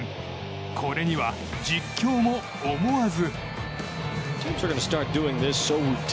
これには実況も思わず。